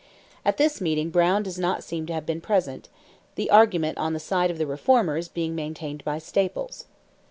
At this meeting Browne does not seem to have been present, the argument on the side of the Reformers being maintained by Staples.